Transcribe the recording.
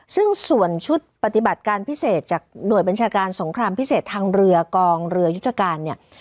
ซึ่งส่วนชุดปฏิบัติการพิเศษจากหน่วยบัญชาการสงครามพิเศษทางเรือกองเรือยุทธการเนี่ย